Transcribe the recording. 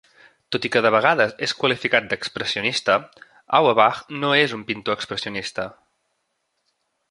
Tot i que de vegades és qualificat d'expressionista, Auerbach no és un pintor expressionista.